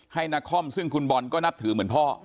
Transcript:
นาคอมซึ่งคุณบอลก็นับถือเหมือนพ่อ